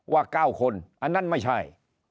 ว่า๙คนอันนั้นไม่ใช่